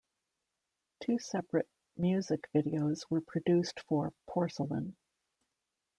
Two separate music videos were produced for "Porcelain".